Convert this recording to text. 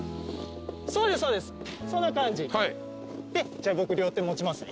じゃあ僕両手持ちますね。